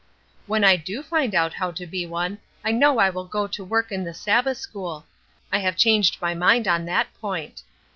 "When I do find out how to be one I know I will go to work in the Sabbath school; I have changed my mind on that point."